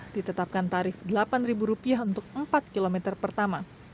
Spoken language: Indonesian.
ditetapkan tarif rp delapan untuk empat km pertama